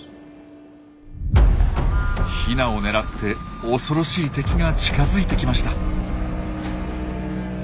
ヒナを狙って恐ろしい敵が近づいてきました。